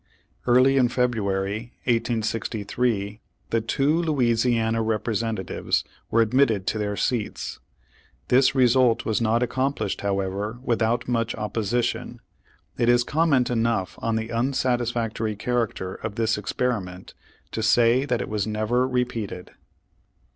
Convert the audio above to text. Early in February, 1863, the two Louisiana Rep Page One Hundred forty Page One Hundre<Worty one resentativee were admitted to their seats. This result was not accomplished, however, without much opposition. It is comment enough on the unsatisfactory character of this experiment to say that it w^as never repeated.